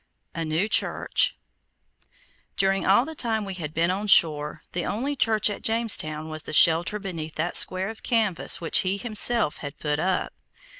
A NEW CHURCH During all the time we had been on shore, the only church in Jamestown was the shelter beneath that square of canvas which he himself had put up.